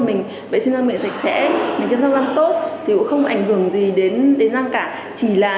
mình vệ sinh răng miệng sạch sẽ chăm sóc răng tốt thì cũng không ảnh hưởng gì đến đến răng cả chỉ là